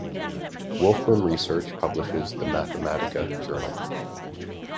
Wolfram Research publishes "The Mathematica Journal".